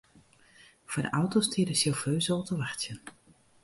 Foar de auto stie de sjauffeuze al te wachtsjen.